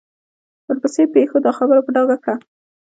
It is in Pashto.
ورپسې پېښو دا خبره په ډاګه کړه.